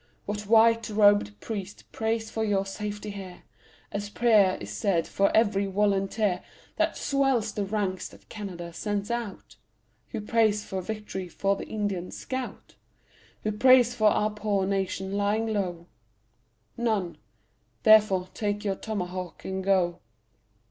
What white robed priest prays for your safety here, As prayer is said for every volunteer That swells the ranks that Canada sends out? Who prays for vict'ry for the Indian scout? Who prays for our poor nation lying low? None therefore take your tomahawk and go.